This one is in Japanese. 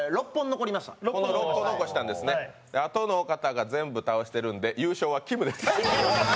あとの方が全部倒してるんで優勝はきむです。